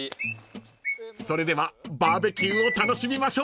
［それではバーベキューを楽しみましょう］